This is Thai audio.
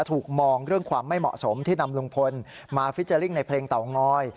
ถูกมองเรื่องความไม่เหมาะสมที่นำลุงพลมาฟิเจอร์ลิ่งในเพลงเตางอย